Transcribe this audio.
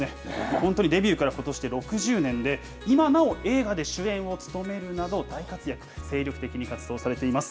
本当にデビューからことしで６０年で、今なお映画で主演を務めるなど大活躍、精力的に活動されています。